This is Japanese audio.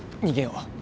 逃げよう。